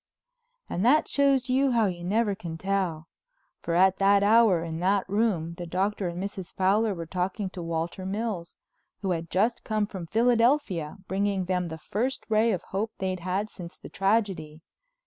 And that shows you how you never can tell. For at that hour in that room the Doctor and Mrs. Fowler were talking to Walter Mills, who had just come from Philadelphia, bringing them the first ray of hope they'd had since the tragedy.